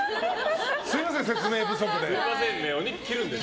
すみません、説明不足で。